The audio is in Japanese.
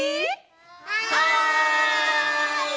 はい！